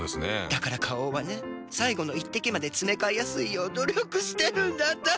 だから花王はね最後の一滴までつめかえやすいよう努力してるんだって。